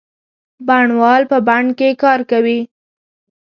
بڼوال په بڼ کې کار کوي.